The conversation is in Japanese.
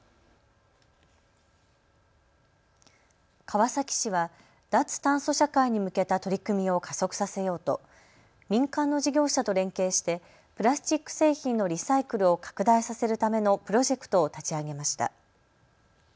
川崎市は脱炭素社会に向けた取り組みを加速させようと民間の事業者と連携してプラスチック製品のリサイクルを拡大させるためのプロジェクトを立ち上げました。